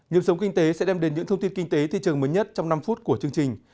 nhiệm sống kinh tế sẽ đem đến những thông tin kinh tế thị trường mới nhất trong năm phút của chương trình